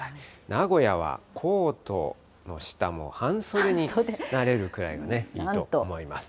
名古屋はコートの下も半袖になれるくらいがね、いいと思います。